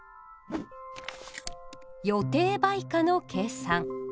「予定売価の計算」。